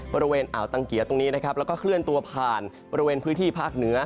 บริเวณอ่าวตังเกียร์ตรงนี้นะครับแล้วก็เคลื่อนตัวผ่านบริเวณพื้นที่ภาคเหนือ